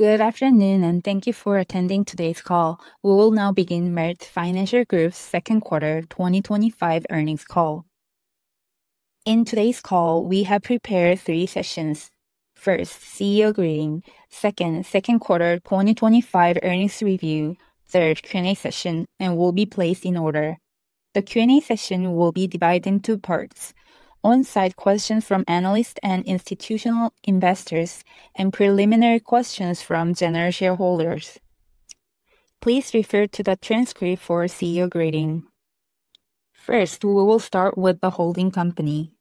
Good afternoon, thank you for attending today's call. We will now begin Meritz Financial Group's second quarter 2025 earnings call. In today's call, we have prepared three sessions. First, CEO greeting. Second, second quarter 2025 earnings review. Third, Q&A session and will be placed in order. The Q&A session will be divided in two parts: on-site questions from analysts and institutional investors and preliminary questions from general shareholders. Please refer to the transcript for CEO greeting. We will start with the holding company.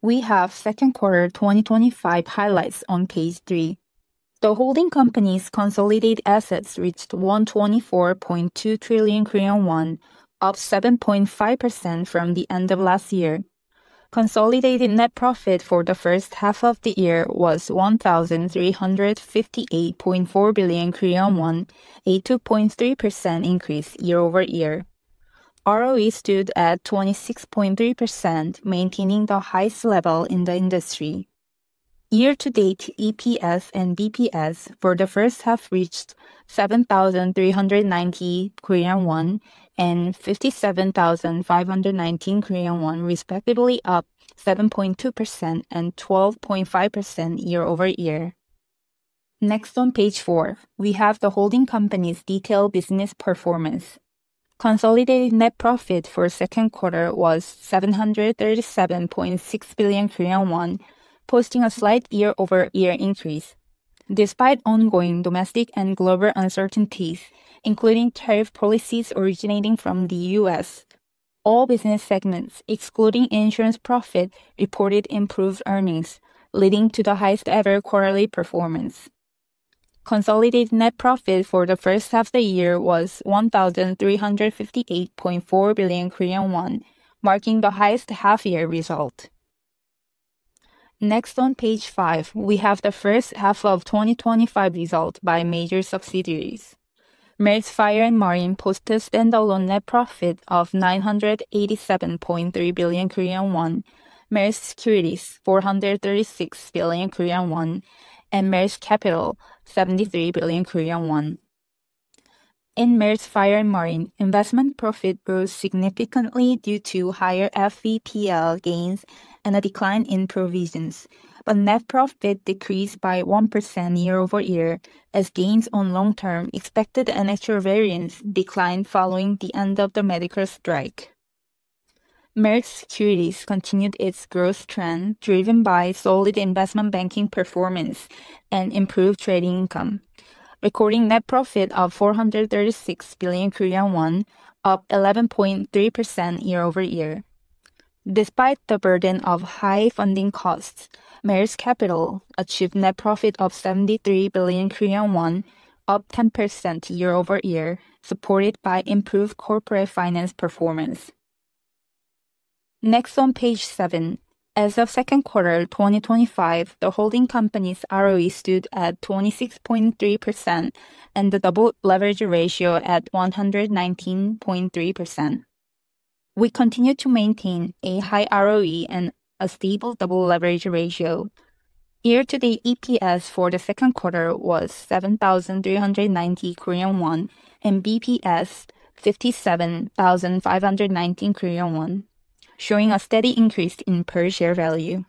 We have second quarter 2025 highlights on page three. The holding company's consolidated assets reached 124.2 trillion Korean won, up 7.5% from the end of last year. Consolidated net profit for the first half of the year was 1,358.4 billion Korean won, a 2.3% increase year-over-year. ROE stood at 26.3%, maintaining the highest level in the industry. Year to date, EPS and BPS for the first half reached 7,390 Korean won and 57,519 Korean won, respectively, up 7.2% and 12.5% year-over-year. On page four, we have the holding company's detailed business performance. Consolidated net profit for second quarter was 737.6 billion Korean won, posting a slight year-over-year increase. Despite ongoing domestic and global uncertainties, including tariff policies originating from the U.S., all business segments, excluding insurance profit, reported improved earnings, leading to the highest ever quarterly performance. Consolidated net profit for the first half of the year was 1,358.4 billion Korean won, marking the highest half-year result. Next, on page five, we have the first half of 2025 results by major subsidiaries. Meritz Fire & Marine posted standalone net profit of 987.3 billion Korean won. Meritz Securities, 436 billion Korean won, and Meritz Capital, 73 billion Korean won. In Meritz Fire & Marine, investment profit rose significantly due to higher FVPL gains and a decline in provisions. Net profit decreased by 1% year-over-year as gains on long-term expected and actual variance declined following the end of the medical strike. Meritz Securities continued its growth trend, driven by solid investment banking performance and improved trading income, recording net profit of 436 billion Korean won, up 11.3% year-over-year. Despite the burden of high funding costs, Meritz Capital achieved net profit of 73 billion Korean won, up 10% year-over-year, supported by improved corporate finance performance. On page seven. As of second quarter 2025, the holding company's ROE stood at 26.3% and the double leverage ratio at 119.3%. We continue to maintain a high ROE and a stable double leverage ratio. Year-to-date, EPS for the second quarter was 7,390 Korean won and BPS 57,519 Korean won, showing a steady increase in per share value.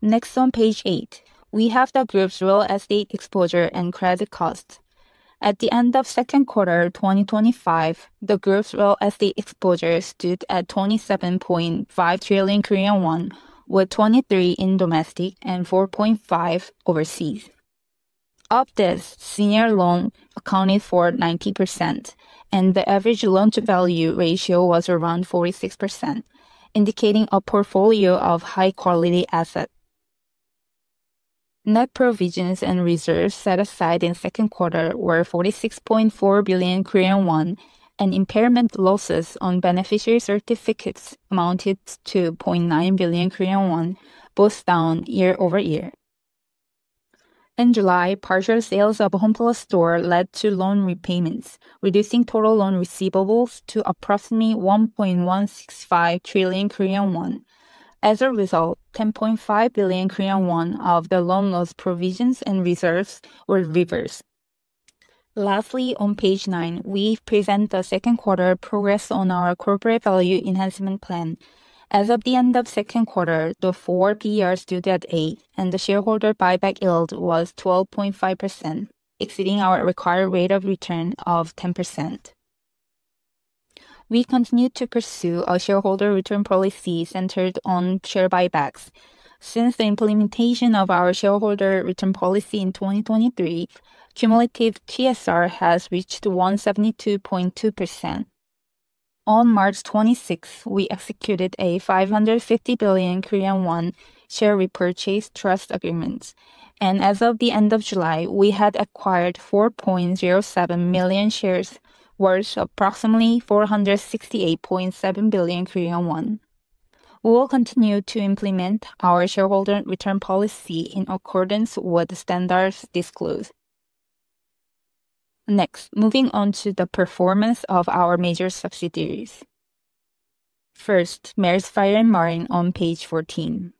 Next, on page eight, we have the group's real estate exposure and credit costs. At the end of second quarter 2025, the group's real estate exposure stood at 27.5 trillion Korean won, with 23 trillion in domestic and 4.5 trillion overseas. Of this, senior loan accounted for 90% and the average loan to value ratio was around 46%, indicating a portfolio of high quality asset. Net provisions and reserves set aside in second quarter were 46.4 billion Korean won, and impairment losses on beneficiary certificates amounted to 0.9 billion Korean won, both down year-over-year. In July, partial sales of Homeplus store led to loan repayments, reducing total loan receivables to approximately 1.165 trillion Korean won. As a result, 10.5 billion Korean won of the loan loss provisions and reserves were reversed. On page nine, we present the second quarter progress on our Corporate Value Enhancement Plan. As of the end of second quarter, the four PR stood at eight, and the Shareholder Buyback Yield was 12.5%, exceeding our required rate of return of 10%. We continue to pursue a shareholder return policy centered on share buybacks. Since the implementation of our shareholder return policy in 2023, cumulative TSR has reached 172.2%. On March 26, we executed a 550 billion Korean won share repurchase trust agreement, and as of the end of July, we had acquired 4.07 million shares worth approximately 468.7 billion Korean won. We will continue to implement our shareholder return policy in accordance with the standards disclosed. Moving on to the performance of our major subsidiaries. Meritz Fire & Marine on page 14.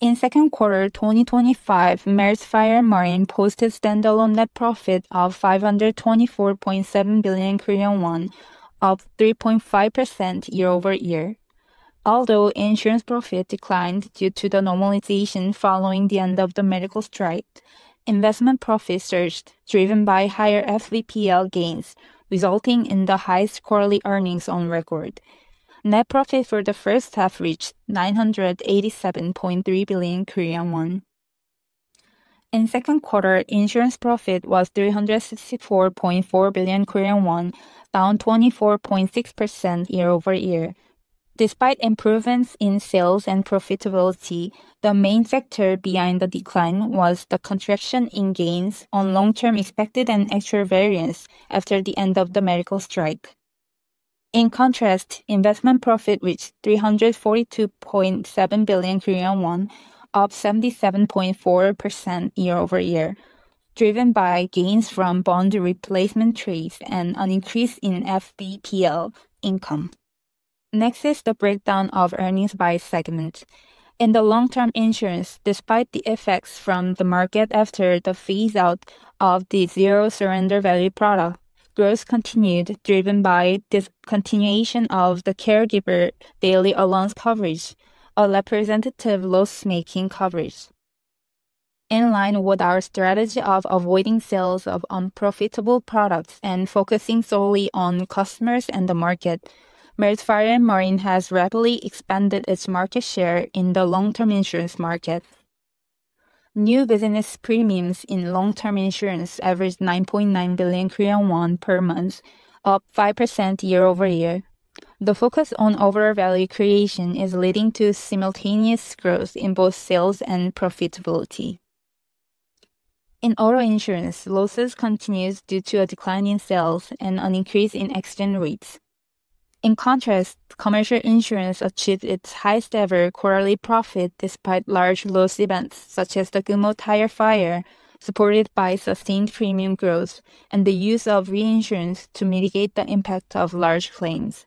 In second quarter 2025, Meritz Fire & Marine posted standalone net profit of 524.7 billion Korean won, up 3.5% year-over-year. Although insurance profit declined due to the normalization following the end of the medical strike, investment profit surged driven by higher FVPL gains, resulting in the highest quarterly earnings on record. Net profit for the first half reached 987.3 billion Korean won. In second quarter, insurance profit was 364.4 billion Korean won, down 24.6% year-over-year. Despite improvements in sales and profitability, the main factor behind the decline was the contraction in gains on long-term expected and actual variance after the end of the medical strike. In contrast, investment profit reached 342.7 billion Korean won, up 77.4% year-over-year, driven by gains from bond replacement trades and an increase in FVPL income. Next is the breakdown of earnings by segment. In the long-term insurance, despite the effects from the market after the phase-out of the zero surrender value product, growth continued, driven by discontinuation of the caregiver daily allowance coverage, a representative loss-making coverage. In line with our strategy of avoiding sales of unprofitable products and focusing solely on customers and the market, Meritz Fire & Marine has rapidly expanded its market share in the long-term insurance market. New business premiums in long-term insurance averaged 9.9 billion Korean won per month, up 5% year-over-year. The focus on overall value creation is leading to simultaneous growth in both sales and profitability. In auto insurance, losses continues due to a decline in sales and an increase in accident rates. In contrast, commercial insurance achieved its highest ever quarterly profit despite large loss events such as the Kumho Tire fire, supported by sustained premium growth and the use of reinsurance to mitigate the impact of large claims.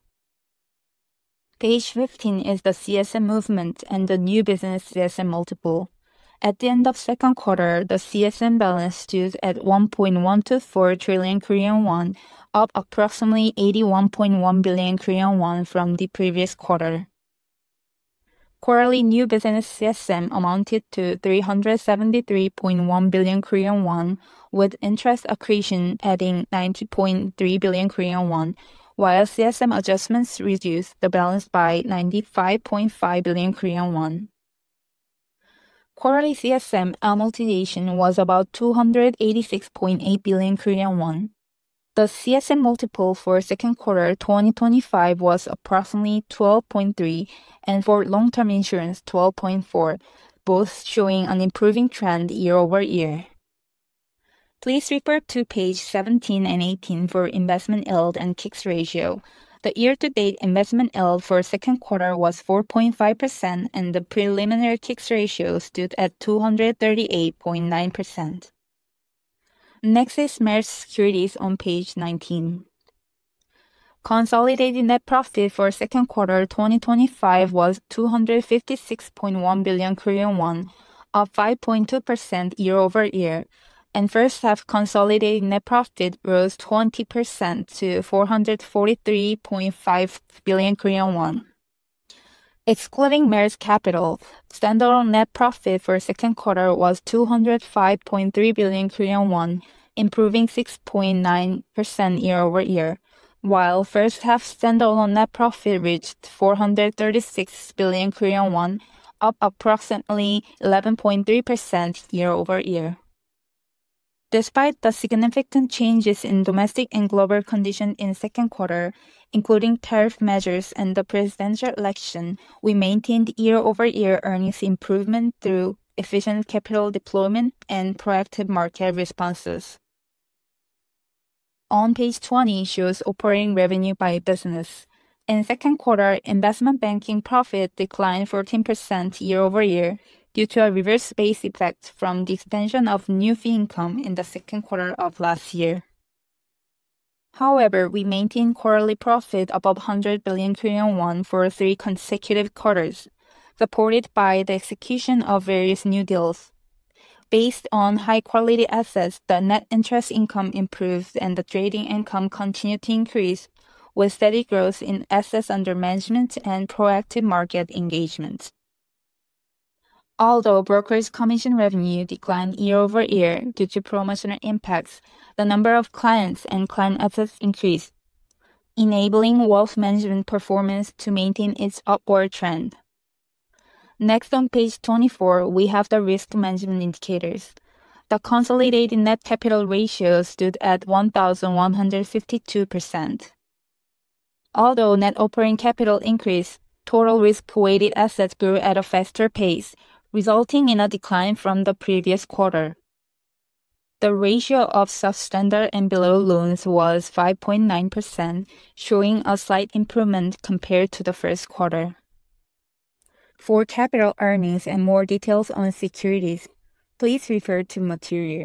Page 15 is the CSM movement and the new business CSM multiple. At the end of second quarter, the CSM balance stood at 1.124 trillion Korean won, up approximately 81.1 billion Korean won from the previous quarter. Quarterly new business CSM amounted to 373.1 billion Korean won with interest accretion adding 90.3 billion Korean won, while CSM adjustments reduced the balance by 95.5 billion Korean won. Quarterly CSM amortization was about 286.8 billion Korean won. The CSM multiple for second quarter 2025 was approximately 12.3 and for long-term insurance 12.4, both showing an improving trend year-over-year. Please refer to page 17 and 18 for investment yield and K-ICS ratio. The year-to-date investment yield for second quarter was 4.5% and the preliminary K-ICS ratio stood at 238.9%. Next is Meritz Securities on page 19. Consolidated net profit for second quarter 2025 was 256.1 billion Korean won, up 5.2% year-over-year. First half consolidated net profit rose 20% to 443.5 billion Korean won. Excluding Meritz Capital, standalone net profit for second quarter was 205.3 billion Korean won, improving 6.9% year-over-year. While first half standalone net profit reached 436 billion Korean won, up approximately 11.3% year-over-year. Despite the significant changes in domestic and global condition in second quarter, including tariff measures and the presidential election, we maintained year-over-year earnings improvement through efficient capital deployment and proactive market responses. On page 20 shows operating revenue by business. In second quarter, investment banking profit declined 14% year-over-year due to a reverse base effect from the expansion of new fee income in the second quarter of last year. However, we maintained quarterly profit above 100 billion Korean won for three consecutive quarters, supported by the execution of various new deals. Based on high-quality assets, the net interest income improved and the trading income continued to increase with steady growth in assets under management and proactive market engagement. Although broker's commission revenue declined year-over-year due to promotional impacts, the number of clients and client assets increased, enabling wealth management performance to maintain its upward trend. On page 24, we have the risk management indicators. The consolidated Net Capital Ratio stood at 1,152%. Although Net Operating Capital increased, total risk-weighted assets grew at a faster pace, resulting in a decline from the previous quarter. The ratio of substandard and below loans was 5.9%, showing a slight improvement compared to the first quarter. For capital earnings and more details on securities, please refer to material.